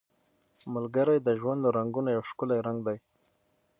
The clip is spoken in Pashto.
ملګری د ژوند له رنګونو یو ښکلی رنګ دی